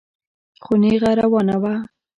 خو نېغه روانه وه.